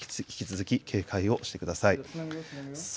引き続き警戒をしてください。